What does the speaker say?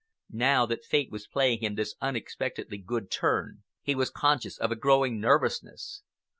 Now that Fate was playing him this unexpectedly good turn, he was conscious of a growing nervousness.